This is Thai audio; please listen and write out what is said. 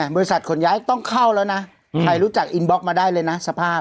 ขนย้ายต้องเข้าแล้วนะใครรู้จักอินบล็อกมาได้เลยนะสภาพ